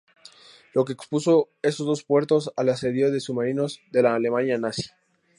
Lo que expuso esos dos puertos al asedio de submarinos de la Alemania nazi.